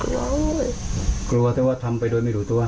ครอบครัวเรียกว่าดิว่าทำไปโดยไม่ถูกตัว